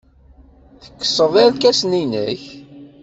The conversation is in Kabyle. Tekkseḍ irkasen-nnek.